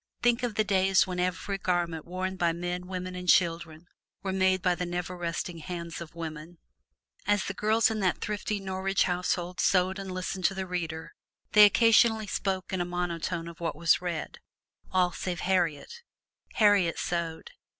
Think of the days when every garment worn by men, women and children was made by the never resting hands of women! And as the girls in that thrifty Norwich household sewed and listened to the reader, they occasionally spoke in monotone of what was read all save Harriet: Harriet sewed.